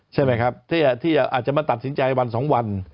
ใช่ไหมครับที่อาจจะมาตัดสินใจวันสองวัน